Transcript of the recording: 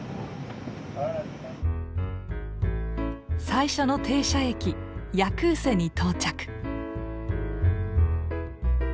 最初の停車駅ヤクーセに到着。